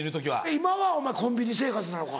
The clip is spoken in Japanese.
今はお前コンビニ生活なのか。